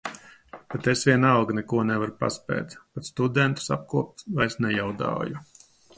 Bet es vienalga neko nevaru paspēt, pat studentus apkopt vairs nejaudāju.